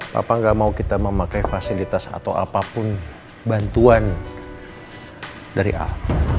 papa nggak mau kita memakai fasilitas atau apapun bantuan dari ahok